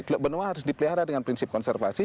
teluk benua harus dipelihara dengan prinsip konservasi